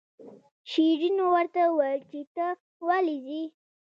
شیرینو ورته وویل چې ته ولې ځې.